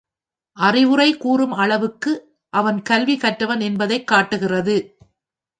அறிவுரை கூறும் அளவுக்கு அவன் கல்வி கற்றவன் என்பதைக் காட்டுகிறது.